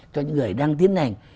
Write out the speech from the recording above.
cho những người đang tiến hành